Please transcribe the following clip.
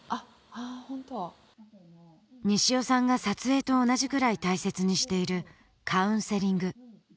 あーホント西尾さんが撮影と同じくらい大切にしているカウンセリング